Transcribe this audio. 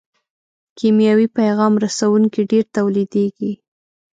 کیمیاوي پیغام رسوونکي ډېر تولیدیږي.